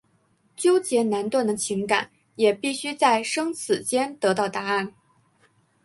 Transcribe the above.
纠结难断的情感也必须在生死间得到答案。